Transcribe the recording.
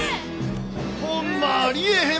ほんまありえへん